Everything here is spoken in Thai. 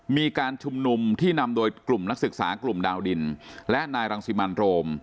มีการชุมนุมที่นำโดยกลุ่มนักศึกษากลุ่มดาวดินและนายรังสิมันโรม